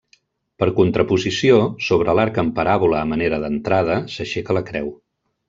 Per contraposició, sobre l'arc en paràbola a manera d'entrada, s'aixeca la creu.